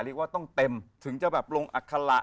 เรียกว่าต้องเต็มถึงจะแบบลงอัคระ